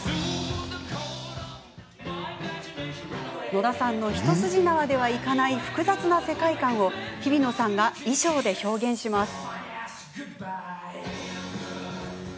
野田さんの一筋縄ではいかない複雑な世界観をひびのさんが衣装で表現します。